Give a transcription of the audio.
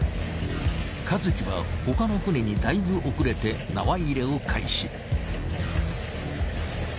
和喜は他の船にだいぶ遅れて縄入れを開始。